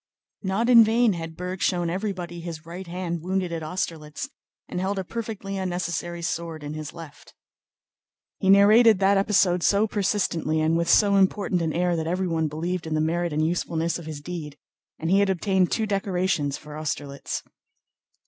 Not in vain had Berg shown everybody his right hand wounded at Austerlitz and held a perfectly unnecessary sword in his left. He narrated that episode so persistently and with so important an air that everyone believed in the merit and usefulness of his deed, and he had obtained two decorations for Austerlitz.